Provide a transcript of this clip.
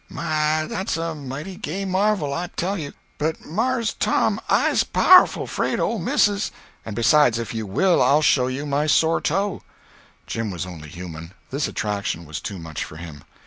"My! Dat's a mighty gay marvel, I tell you! But Mars Tom I's powerful 'fraid ole missis—" "And besides, if you will I'll show you my sore toe." Jim was only human—this attraction was too much for him.